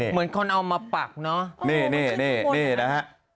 เหมือนคนเอามาปักเนอะ